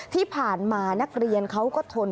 ที่ผ่านมานักเรียนเขาก็ทน